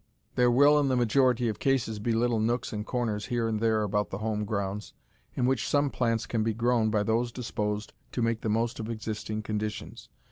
There will, in the majority of cases, be little nooks and corners here and there about the home grounds in which some plants can be grown by those disposed to make the most of existing conditions.